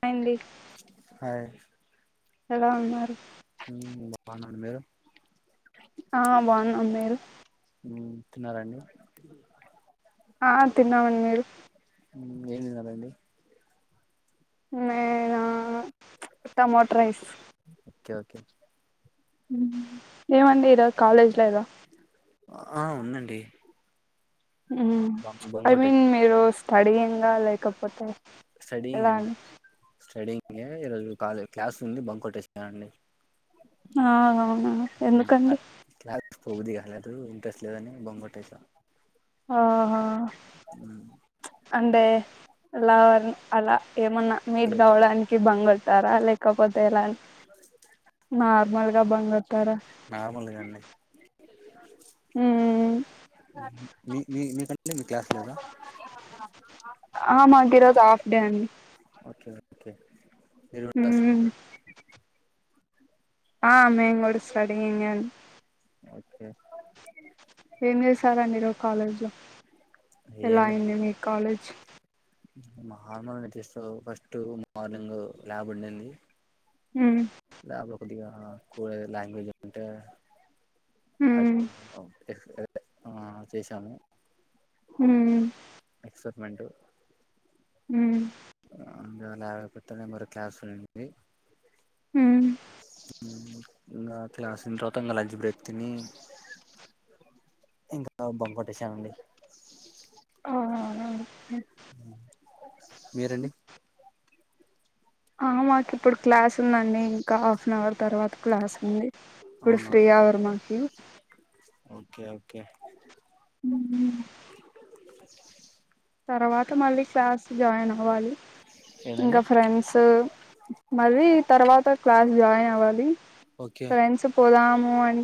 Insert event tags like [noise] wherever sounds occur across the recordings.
హాయండి ఐ ఎలా ఉన్నారు అను మేడం ఆ బాన్న మీరు హ్మ్ తిన్నారండి ఆ తిన్నామండి మీరు హ్మ్ ఏం తిన్నారండి నేనా ప్చ్ టమోటో రైస్ ఒకే ఒకే హ్మ్ ఏమండి ఈరోజు కాలేజ లేద ఆ ఉందండి హ్మ్ ప్చ్ బంకోట మీరు స్టడి లేకపోతే ఎలా స్టూడింగ్ అండి స్టడంగ్ ఈరోజు కాలే క్లాస్ ఉంది బంక్ కోటెస ఆ అవునా ఎందుకండి పోబుద్ధికలేదు ఇంట్రెస్ట్ లేదని బొంగొట్టాత ఆహా అంటే ఎలా అలా ఏమన్నా మీట్ లేదు కావడానికి బంక్ కొడతారా లే కపోతే ఎలా నార్మల్ గా బంక్ నార్మల్ గానే హ మీ మీ మీ క్లాస్ లేదా ఆ మా ఈరోజు హాఫ్ డే అండి ఓకే ఓకే ఇరు మ్మ్. ఆ మేం కూడా స్టూడింగ్ అండి ఓ ఓకే ఏం చేశారండి ఈరోజు కాలేజ్ లో ఏం ఎలా అయింది లేదు మీ college normal first morning lab ఉండింది హ ల్యాబ్ లో కొద్దిగా కోడ్ లాంగ్వేజ్ అంటే అ ఉమ్ ఆ చేసాను హ ఎక్సైట్మెంట్ హ అందువల కొత్త నెంబర్ క్లాస్ ఉన్నింది ఉమ్ ఇంకా క్లాస్ అయిన తర్వాత ఇంకా లంచ్ బ్రేక్ తిని ఇంకా బొంకట్టేశామండి ఓ మీరండి ఆ మాకు ఇప్పుడు క్లాస్ ఉందండి ఇంకా హాఫ్ అన్ అవర్ తర్వాత క్లాస్ ఉంది ఇప్పుడు అవునా ఫ్రీ హ వార్ ఓకే ఓకే హ తర్వాత మళ్ళీ క్లాస్ జాయిన్ అవ్వాలి ఏదండి ఇంకా ఫ్రెండ్స్ మళ్ళీ తర్వాత క్లాస్ జాయిన్ అవ్వాలి ఓకే ఫ్రెండ్స్ పోదాము అం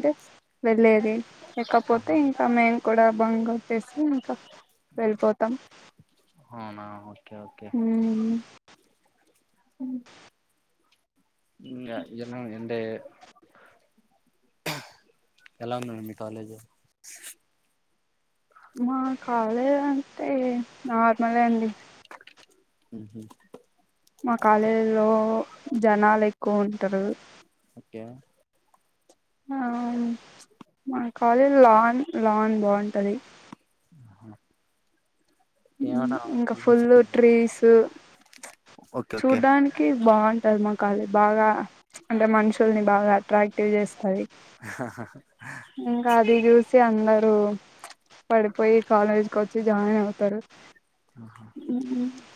వెళ్లేది లేకపోతే ఆహా ఇంకా మేము కూడా బంగారు తెసి [unintelligible] వెళ్ళిపోతాం అవునా ఓకే ఓకే ఉ ఏన్న ఎంట [unintelligible] ఎలా ఉందండి మీ కాలేజ్ మా కాలేజ్ అంటే నార్మలే అండి హ మా కాలేజీలో జనాలు ఎక్కువ ఉంటరు ఓకే ఆ మన కాలేజ్ లాన్ లాన్ బాగుంటది హ ఇంకా ఫుల్ ట్రీస్ హ్ ఓకే ఓకే చూడ్డానికి బాగుం ధర్మకాళి బాగా అంటే మనుషుల్ని బాగా అట్రాక్టివ్ చేస్తది హ హ హ అందరు పడిపోయి కాలేజ్కి వచ్చి జాయిన్ అవుతారు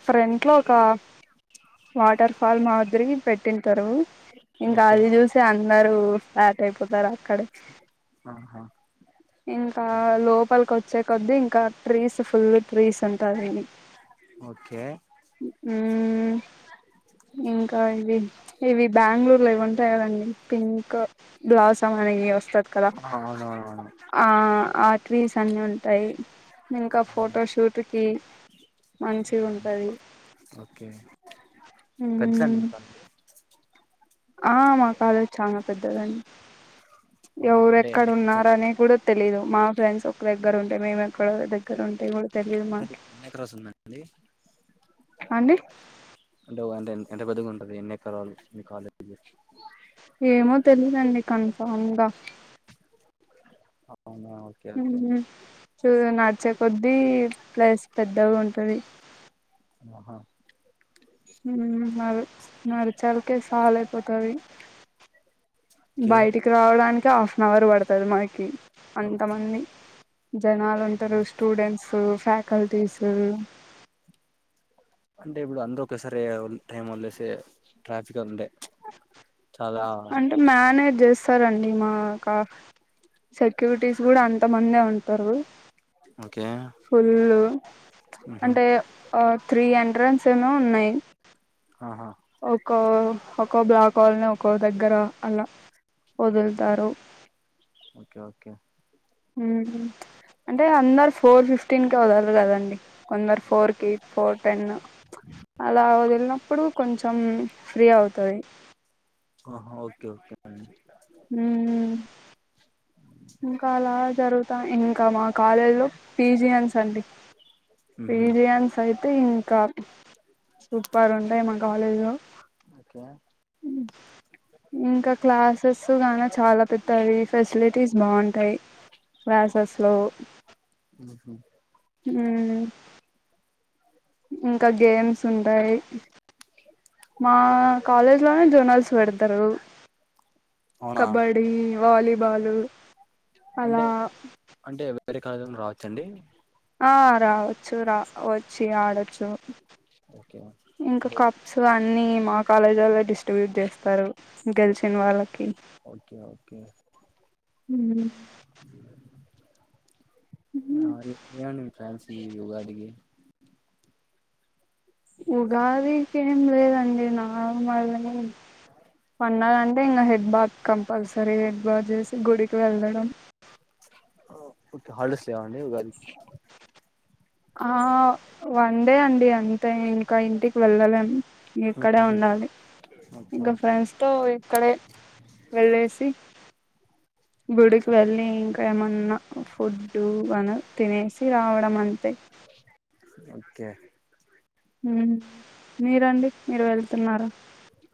ఫ్రంట్ లో ఒక వాటర్ ఫాల్ మాదిరి పెట్టింటారు ఇంకా ఓకే అది చూసి అందరూ ఫ్లాట్ అయిపోతారు అక్కడే ఆహా ఆ లోపలికి వచ్చే కొద్ద్దీ ఇంకా ట్రీస్ ఫుల్ గ ట్రీస్ ఉంటది ఓకే మ్మ్ ఇంకా ఇవి ఇవి బ్యాంగ్ళూర్లో ఇవి ఉంటాయి కదండి పింక్ బ్లౌసమ్ అనేవి వస్తది కదా అవునవునవును ఆ ఆ ట్రీస్ అన్ని ఉంటాయి ఇంకా ఫో ఫొటో షూట్ కి మంచిగ ఉంటది ఓకే పెద్దండి మ్మ్ ఇంకా అ ఆ మా కాలేజ్ చాన పెద్దదండి అంటే ఎవరెక్కడ ఎన్ని ఉన్నారనే కుడ తెలి మా ఫ్రెండ్స్ ఒక దగ్గర ఉంటాయి మేము ఎక్కడ దగ్గర ఉంటే కూడా తెలియదు మాకి ఎక రోజండి అండి అంటే ఎంత పెద్దగుంటది ఎన్ని ఎక్కరాాల మీ కాలేజీ ఏమో తెలీదండి కన్ఫామ్గా అవునా ఓకే ఓకే చూ నా వచ్చే కొద్దీ ప్లేస్ పెద్దగా ఉంటది ఆహా మరి నడిచాలకే సాల అయిపోతది ఓకే బయటికి రావడానికి కె హాఫ్ అన్ అవర్ పడతుంది మనకి అంత మంది జనాలు ఉంటారు స్టూడెంట్స్ ఫ్యాకల్టీస్ అంటే ఇప్పుడు అందరూ ఒకసారి టైం వదిలే అయితే ట్రాఫిక్ ఉందిచాలా సరే అండి మా కా సెక్యూరిటీస్ గూడా అంతమందే ఉంటారు ఓకే ఫుల్ ఉహు అంటే త్రీ అంటే అడ్రన్స్ ఏమో ఉన్నాయి ఆహా ఒక్కో ఒక్కో బ్లాక్ వాల్లని ఒక్కో దగ్గర అలా వదులుతారు ఓకే ఓకే ఊ అంటే అందరు ఫోర్ ఫిఫ్టీన్ క వదరు కదండి కొందరు ఫోర్ క ఎయి ఫోర్ టెన్ అలా వదిలినప్పుడు కొంచెం ఫ్రీ అవుతుంది ఆహా ఓక కే కే మ్మ్ ఇంకా అలా జరుగుతా ఇంకా మా కాలేజ్ లో పీజి అన్స్ అండి ఉహు పిజయన్స అయితే ఇం ఇంకా సూపర్ ఉంటాయి మా కాలేజ్ లో ఓకే ఇంకా క్లాసెస్ గాన చాలా పెద్దాయి ఫెసిలిటీస్ బాగుంటాయి క్లాసెస్ లో ఉహు ఊ ఇంకా గేమ్స్ ఉంటాయి మా కాలేజ్ లోనే జోనల్స్ పెడతారు అవునా కబడ్డి వాలిబాాలు అంటే అంటే వేరే కాలేజ్ రావచ్చండి ఆ రావచ్చు రా వచ్చి ఆడొచ్చు ఓకే ఇంకా అంటే కప్స్ అన్ని మా కాలేజ్ వాల్లే డిస్ట్రిబ్యూట్ చేస్తరు ఓ- గెలిచిన వాళ్ళకి ఓకే ఓకే హ్మ్ ఏను ఫ్యాన్సీ ఉగా అడికి ఉగాదికి ఏం లేదండి నార్మల్ని పండగన్టే ఇంకా head bath compulsory head bath చేసి గుడికి వెళ్ళడం ఇప్పుడు హాలిడేస్ లేవ లెవ్ గాయాస ఆ వన్డే అండి అంతే ఇంకా ఇంటికి వెళ్ళలేం ఇక్కడే ఉండాలి ఓకే ఇంగ ఓకే ఫ్రెండ్స్ తో ఇక్కడే వెళ్ళేసి గుడికి వెళ్ళి ఇంకా ఏమన్నా ఫుడ్డు అన తినేసి రావడం అంతే ఓకే మ్మ్ మీరండి మీరు వెళ్తున్నారా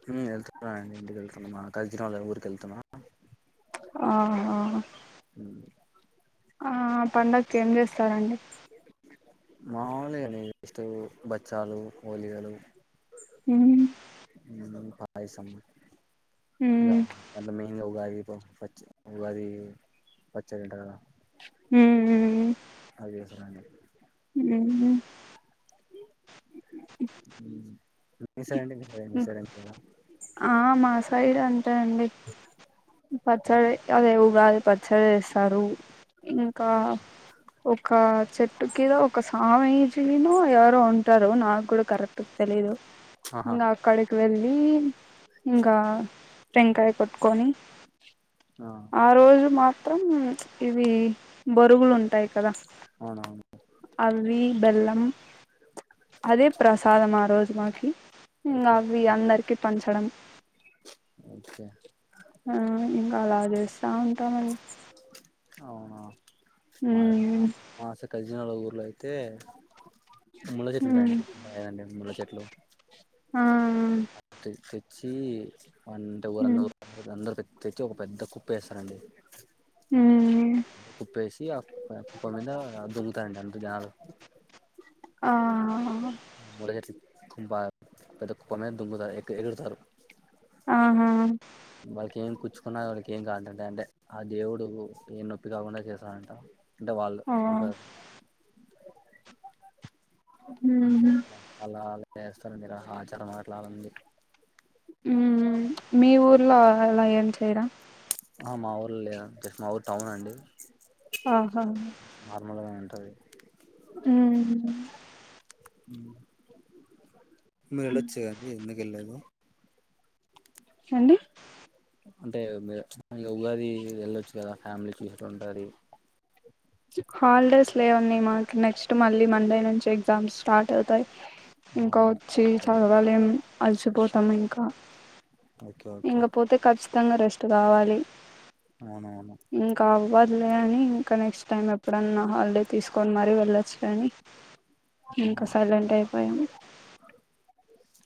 మ్మ్ వెళ్తున్నానండి ఇంటికి వెళ్తున్నమా కలిసి రాలే ఊరుకి వెళ్తున్నా ఆహా ఆ ఆ పండగ కి ఏం చేస్తారండి [unintelligible] బచ్చాలు ఒలిగలు మ్మ్ మ్మ్ పాయిసము రా ఉమ్, అన్నమే ఇంగ ఉగాది ప పచ్చడి ఉగాది పచ్చడి అంట కదా మ్మ్ రానే మ్మ్ హు మ్మ్ నైస్ అంతే నండి మీ సైడ్ మీ సైడ్ ఏం చెయ్యరా ఆ మా సైడ్ అంతే అండి పచ్చడి అదే ఊ ఉగాది పచ్చడి చేస్తారు ఇంకా ఒక చెట్టు కింద ఒక స్వామీజీనో ఎవరో ఉంటారు నాకు కూడా కరెక్ట్ తెలియదు ఆహా ఇంగ అక్కడికి వెళ్ళి ఇంకా టెనకై కొట్టుకొని ఆ ఆరోజు మ మాత్రం ఇవి బరుగులు ఉంటాయి కద అవునవును అవి బెల్లం ప్చ్ అదే ప్రసాదం ఆ రోజు మాకి హ్మ్ ఓకే అవి అందరికి పంచడం ఓకే ఆ ఇంగ అలా చేస్త ఉంటాం మ ఉ ఉ మాస కజనాల ఊరులో అయితే అయితే ముళ్ల చెట్లు ఉంటాయండి ఉమ్ ఉంటాయండి ముళ్ల చెట్లు ఆ తె తెచ్చి వంటే ఊరన్నో ఉమ్ అందరూపే తెచ్చి ఒక పెద్ద కుప్పేస్తారండి ఉమ్ కుప్పేసి ఆ కుప్ప మీద దునకండి అంత జారు ఆహాహ ముళ్ళ చెట్టు [unintelligible] ఆ పెద్ద కుప్పమీద దుంకుతారు ఎగిరెగిరి దుంకుతారు ఆహా వాళ్ళకి ఏం కుచ్చుకున్న వాళ్ళకి ఏం కాదంట అంటే ఆ దేవుడు ఏం నొప్పి కాకుండా చేస్తాడంట అంటే వాళ్ళు ఓ సంప్రదాయ ఉహు అలాలే ఏస్తారండి రా ఆ ఆచారం అట్లా ఉంది ఊ మీ ఊరు లో అలా ఏం చేయరా ఆ మా ఊర్లో లేదు అంతే మా ఊరు టౌన్ అండి ఆహా నార్మల్గానే ఉంటది ఊ ఉ మీరు ఎల్లొచ్చు కదా ఎందు వెళ్లలేదా సండే అంటే మీరు ఈ ఉగాది వెళ్ళొచ్చు కదా ఫ్యామిలీ కిస్టు ఉంటది హాలిడేస్ లేవండి మాక్ నెక్స్ట్ మళ్ళీ మండే నుంచి ఎగ్జామ్స్ స్టార్ట్ అవుతయ్ ఇంకా అవునా ఓకే వచ్చి ఓకే చదవలేేం అలసిపోతాము ఇంకా ఓకే ఓకే ఇంగ పోతే కచ్చితంగా రెస్ట్ స్ట్ కావాలి అవునవును ఇంకా అవ్వదులే అదే అని ఇంకా నెక్స్ట్ టైం ఎప్పుడన్నా హాలిడే తీసుకొని మరి వెళ్ళొచ్చులే అని ఇంక సైలెంట్ అయిపోయాము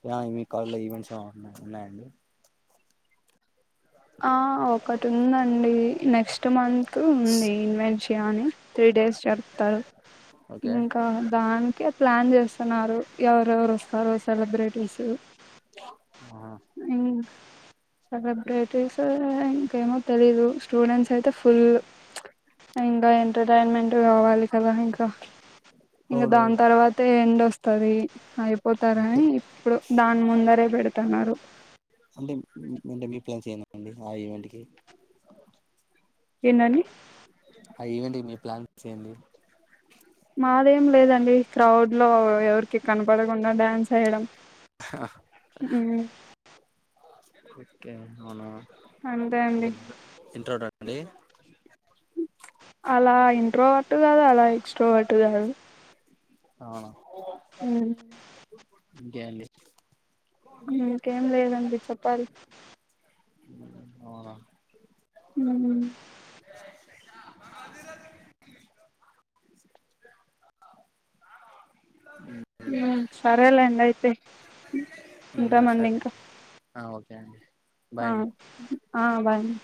య మీ కాల్ లో ఈవెన్ సా ఉన్నాయ్ ఉన్నాయండి ఆ ఒకటి ఉందండి నెక్స్ట్ మంత్ ఉంది ఇన్వెన్షియా అని త్రీ డేస్ చెప్తారు ఓకే ఇంకా దానికి యత్ ప్లాన్ చేస్తున్నారు ఎవరెవరు వస్తారు సెలబ్రిటీస్ ఇం సెలబ్రె బ్రిటిస్ ఇంకేమో తెలీదు స్టూడెంట్స్ అయితే ఫుల్ ఇంకా ఎంటర్టైన్మెంట్ కావాలి కదా ఇంకా ఇంక అవును దాని తర్వాతే ఎండ్ వస్తు వస్తది అయిపోతారని ఇప్పుడు దాని ముందరే పెడుతున్నారు అంటే మీ- అంటే మేం ప్లాన్స్ ఏమండి ఆ ఈవెంట్ కి ఏందండి ఆ ఈవెంట్కి మీ ప్లాన్స్ ఏంది మాదేం లేదండి క్రౌడ్ లో ఎవరికి కనపడకుండా డ్యాన్స్ వేయడం ఊ ఓకే అవునా అండి ఇంట్రోడర్ట్ లే అలా ఇంట్రోవర్ట్ కాదు అలా ఎక్స్ట్రోవర్టు కాదు అవును ఉ ఇంకే అండి ఇంకేం లేదండి చెప్పాలి అవున ఉ సరే లేండి అయితే ఉ సరే ఆ ఓకే అండి ఆ బాయ్ అండి ఆ బాయ్ అండి